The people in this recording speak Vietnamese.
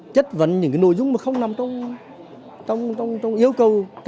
chất vấn những nội dung mà không nằm trong yêu cầu